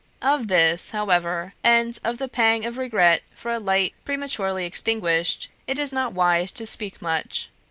Of this, however, and of the pang of regret for a light prematurely extinguished, it is not wise to speak much.